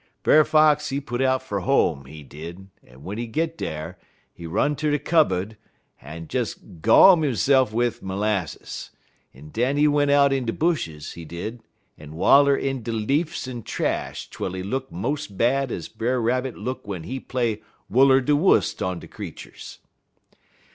"Brer Fox, he put out fer home, he did, en w'en he git dar he run ter de cubbud en des gawm hisse'f wid 'lasses, en den he went out in de bushes, he did, en waller in de leafs en trash twel he look mos' bad ez Brer Rabbit look w'en he play Wull er de Wust on de creeturs.